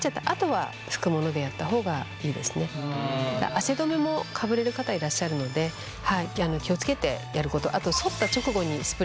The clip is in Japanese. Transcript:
汗止めもかぶれる方いらっしゃるので気を付けてやること。